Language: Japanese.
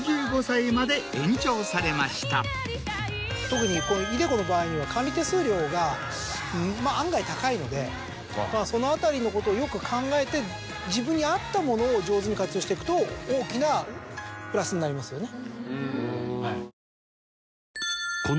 特にｉＤｅＣｏの場合には管理手数料が案外高いのでそのあたりのことをよく考えて自分に合ったものを上手に活用していくと大きなプラスになりますよね。